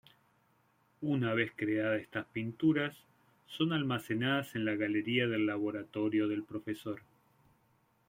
Una vez creadas estas pinturas, son almacenadas en la galería del laboratorio del Profesor.